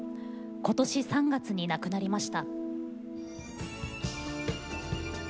今年３月に亡くなりました。